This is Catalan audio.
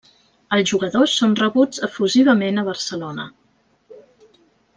Els jugadors són rebuts efusivament a Barcelona.